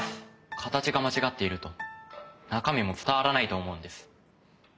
形が間違っていると中身も伝わらないと思うんです。